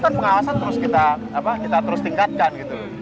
kan pengawasan terus kita tingkatkan